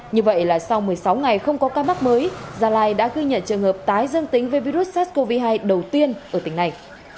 như vậy là sau một mươi sáu ngày không có ca mắc mới gia lai đã ghi nhận trường hợp tái dương tính với virus sars cov hai đầu tiên ở tỉnh này